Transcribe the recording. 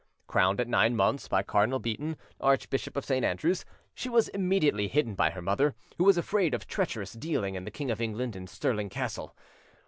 Crowned at nine months by Cardinal Beaton, archbishop of St. Andrews, she was immediately hidden by her mother, who was afraid of treacherous dealing in the King of England, in Stirling Castle.